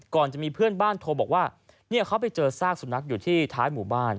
ก่อนจะมีเพื่อนบ้านโทรบอกว่าเนี่ยเขาไปเจอซากสุนัขอยู่ที่ท้ายหมู่บ้าน